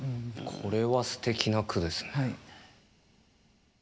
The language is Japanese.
これはすてきな句ですね。